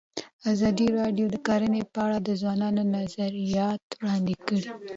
ازادي راډیو د کرهنه په اړه د ځوانانو نظریات وړاندې کړي.